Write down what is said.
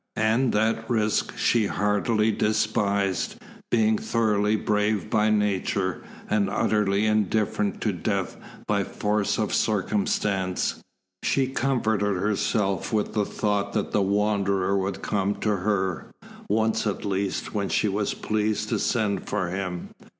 And that risk she heartily despised, being thoroughly brave by nature, and utterly indifferent to death by force of circumstance. She comforted herself with the thought that the Wanderer would come to her, once at least, when she was pleased to send for him.